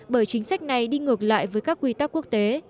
bởi chính sách này đi ngược lại với các quy tắc quốc tế